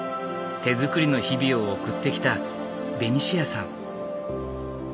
手づくりの日々を送ってきたベニシアさん。